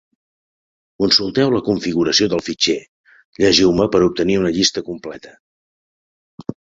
Consulteu la configuració del fitxer Llegiu-me per obtenir una llista completa.